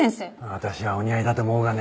私はお似合いだと思うがね。